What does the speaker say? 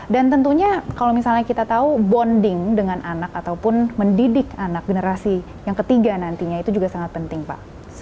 dan tentunya kalau misalnya kita tahu bonding dengan anak ataupun mendidik anak generasi yang ketiga nantinya itu juga sangat penting pak